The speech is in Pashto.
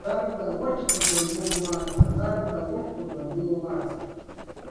خدای ته سر ټيټول د ښه بنده ځانګړنه ده.